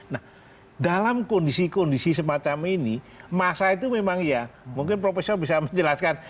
nah dalam kondisi kondisi semacam ini masa itu memang ya mungkin profesor bisa menjelaskan